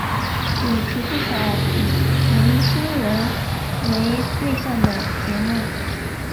主持不少以年青人为对象的节目。